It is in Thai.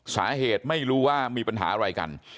ไม่รู้ว่ามีปัญหาอะไรกัน